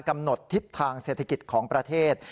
กำหนดทิศทางเศรษฐกิจของประเทศ